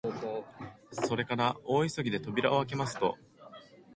それから大急ぎで扉をあけますと、